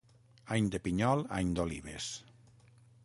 Any de pinyol, any d'olives.